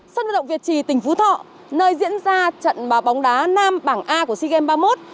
sân vận động việt trì tỉnh phú thọ nơi diễn ra trận bóng đá nam bảng a của sea games ba mươi một